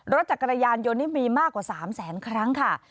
รถจักรยานยนต์นี่มีมากกว่า๓แสนครั้งค่ะ